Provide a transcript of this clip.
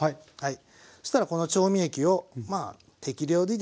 そしたらこの調味液をまあ適量でいいです